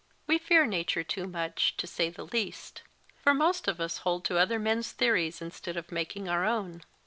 We fear nature too much, to say the least. For most of us hold to other men s theories instead of making our own.